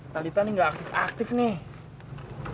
talitha nih gak aktif aktif nih